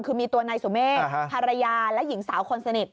คือมีตัวนายสุเมฆภรรยาและหญิงสาวคนสนิท